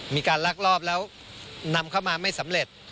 มีการลากรอบแล้วนำเข้ามาไม่สำเร็จ